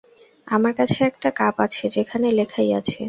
আমার কাছে একটা কাপ আছে যেখানে লেখাই আছে।